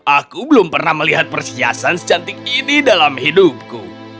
aku belum pernah melihat pershiasan secantik ini dan berbentuk buah